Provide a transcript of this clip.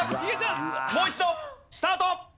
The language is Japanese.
もう一度スタート！